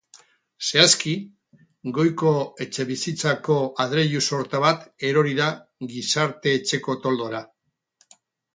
Zehazki, goiko etxebizitzako adreilu sorta bat erori da gizarte-etxeko toldora.